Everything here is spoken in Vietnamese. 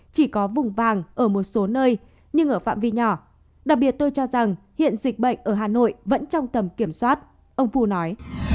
chỉ có vùng vàng ở một số nơi nhưng ở phạm vi nhỏ đặc biệt tôi cho rằng hiện dịch bệnh ở hà nội vẫn trong tầm kiểm soát ông phu nói